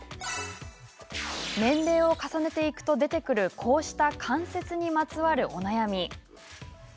年齢を重ねていくと出てくるこうした関節にまつわるお悩み。